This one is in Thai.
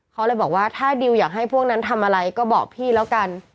เขาเลยบอกว่าถ้าดิวอยากให้พวกนั้นทำอะไรก็บอกพี่แล้วกัน